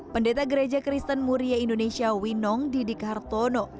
pendeta gereja kristen muria indonesia winong didik hartono